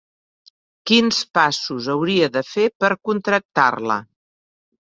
Quins passos hauria de fer per contractar-la?